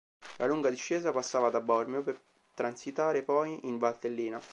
La lunga discesa passava da Bormio per transitare poi in Valtellina.